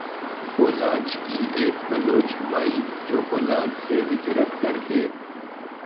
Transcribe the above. کولانچ کی ایک بلوچ مائی جو کولانچ سے ھجرت کر کے